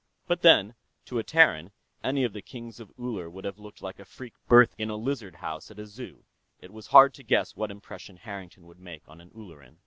But then, to a Terran, any of the kings of Uller would have looked like a freak birth in a lizard house at a zoo; it was hard to guess what impression Harrington would make on an Ulleran.